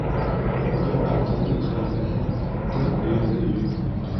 Бер ҡатындың хәйләһе ҡырҡ дөйәгә йөк булыр.